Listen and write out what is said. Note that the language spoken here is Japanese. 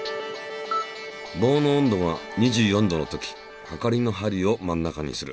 棒の温度が２４℃の時はかりの針を真ん中にする。